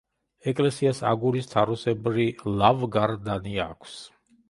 ეკლესიას აგურის თაროსებრი ლავგარდანი აქვს.